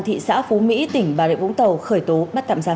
thị xã phú mỹ tỉnh bà rịa vũng tàu khởi tố bắt tạm giam